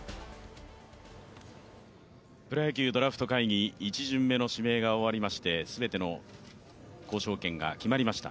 「プロ野球ドラフト会議」、１巡目の指名が終わりまして全ての交渉権が決まりました。